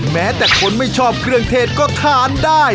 แม้แต่คนไม่ชอบเครื่องเทศก็ทานได้